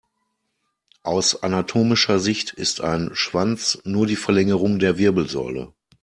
Aus anatomischer Sicht ist ein Schwanz nur die Verlängerung der Wirbelsäule.